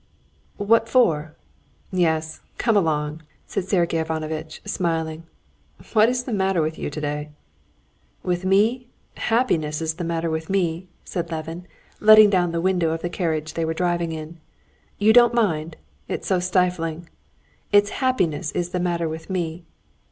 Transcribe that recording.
"What for? Yes, come along," said Sergey Ivanovitch, smiling. "What is the matter with you today?" "With me? Happiness is the matter with me!" said Levin, letting down the window of the carriage they were driving in. "You don't mind?—it's so stifling. It's happiness is the matter with me!